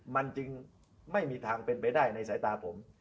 มันจึงไม่มีทางเป็นไปได้ในสายตาผม